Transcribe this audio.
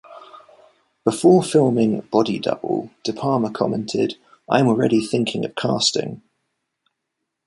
Before filming "Body Double" De Palma commented, "I'm already thinking of casting.